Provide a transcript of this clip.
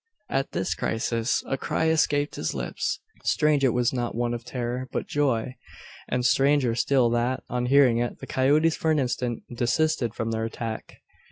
At this crisis a cry escaped his lips. Strange it was not one of terror, but joy! And stranger still that, on hearing it, the coyotes for an instant desisted from their attack!